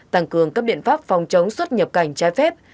tăng cường các biện pháp phòng chống xuất nhập cảnh trái phép